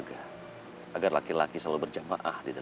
semoga allah menyukai kita